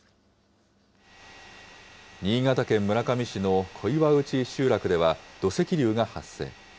新潟県村上市の小岩内集落では、土石流が発生。